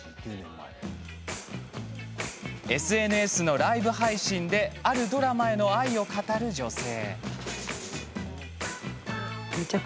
ＳＮＳのライブ配信であるドラマへの愛を語る女性。